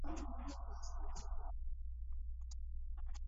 He attended Tettenhall College in Wolverhampton, Staffordshire.